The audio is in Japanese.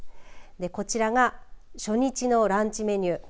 こちらが初日のランチメニュー